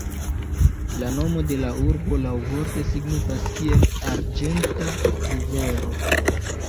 La nomo de la urbo laŭvorte signifas kiel "arĝenta rivero".